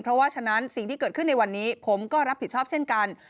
เพราะฉะนั้นสิ่งที่เกิดขึ้นในวันนี้ผมก็รับผิดชอบเช่นกัน